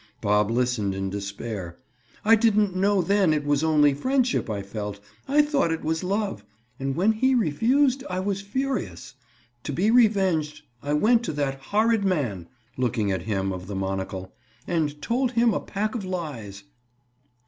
Bob listened in despair. "I didn't know then it was only friendship I felt. I thought it was love. And when he refused, I was furious. To be revenged, I went to that horrid man"—looking at him of the monocle—"and told him a pack of lies."